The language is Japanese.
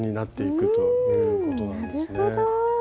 なるほど。